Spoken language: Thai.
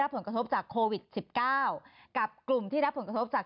รับผลกระทบจากโควิดสิบเก้ากับกลุ่มที่ได้รับผลกระทบจาก